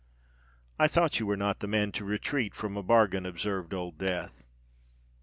"I thought you were not the man to retreat from a bargain," observed Old Death.